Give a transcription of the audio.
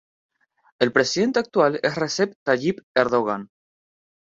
El Presidente actual es Recep Tayyip Erdoğan.